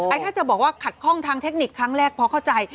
ถ้าจะบอกว่าขัดข้องทางเทคนิคครั้งแรกพอเข้าใจ